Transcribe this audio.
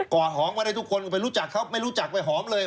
อดหอมมาได้ทุกคนไปรู้จักเขาไม่รู้จักไปหอมเลย